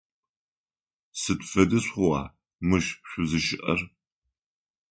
Сыд фэдиз хъугъа мыщ шъузыщыӏэр?